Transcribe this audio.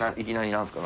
何ですか？